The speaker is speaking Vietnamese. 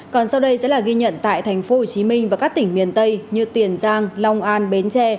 còn sau đây sẽ là ghi nhận tại thành phố hồ chí minh và các tỉnh miền tây như tiền giang long an bến tre